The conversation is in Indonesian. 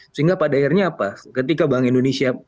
sehingga pada akhirnya apa ketika bank indonesia